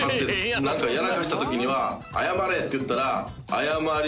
何かやらかしたときには謝れって言ったら。